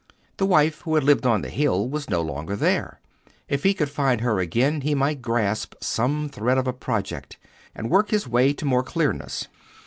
The wife who had lived on the hill was no longer there. If he could find her again, he might grasp some thread of a project, and work his way to more clearness.